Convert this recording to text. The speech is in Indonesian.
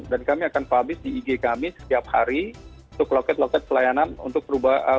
dan kami akan publish di ig kami setiap hari untuk loket loket pelayanan untuk perubahan